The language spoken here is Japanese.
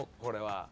これは。